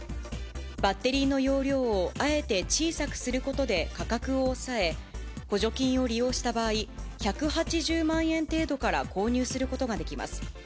バッテリーの容量を、あえて小さくすることで価格を抑え、補助金を利用した場合、１８０万円程度から購入することができます。